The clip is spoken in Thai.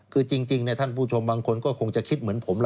คือจริงท่านผู้ชมบางคนก็คงจะคิดเหมือนผมล่ะ